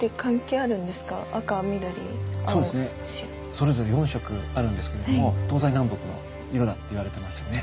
それぞれ４色あるんですけれども東西南北の色だっていわれてますよね。